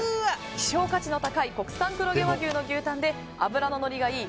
希少価値の高い国産黒毛和牛の牛タンで脂ののりがいい